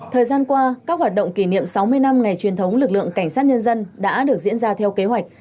thời gian qua các hoạt động kỷ niệm sáu mươi năm ngày truyền thống lực lượng cảnh sát nhân dân đã được diễn ra theo kế hoạch